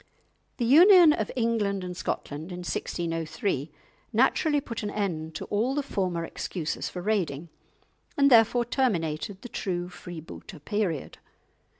The union of England and Scotland in 1603 naturally put an end to all the former excuses for raiding, and therefore terminated the true Freebooter period.